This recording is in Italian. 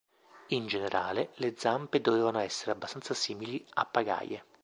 In generale, le zampe dovevano essere abbastanza simili a pagaie.